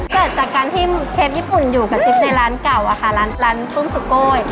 เกิดจากการที่เชฟญี่ปุ่นอยู่กับจิ๊บในร้านเก่าอะค่ะร้านตุ้มสุโกย